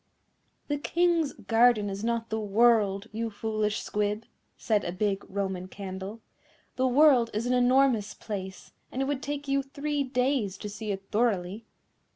"The King's garden is not the world, you foolish Squib," said a big Roman Candle; "the world is an enormous place, and it would take you three days to see it thoroughly."